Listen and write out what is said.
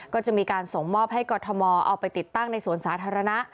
ก็จะมีการส่งมอบให้กรทมเอาไปติดตั้งในสวนสาธารณะ